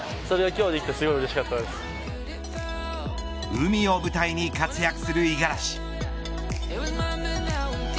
海を舞台に活躍する五十嵐。